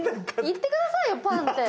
いってくださいよパンッて！